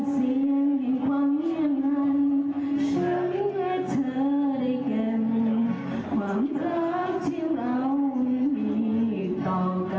ฉันจะมีเธออยู่